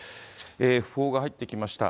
訃報が入ってきました。